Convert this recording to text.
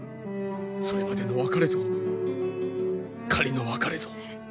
それまでの別れぞ仮の別れぞ！